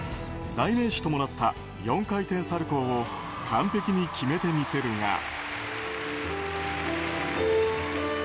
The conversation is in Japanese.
代名詞ともなった４回転サルコウを完璧に決めて見せるが。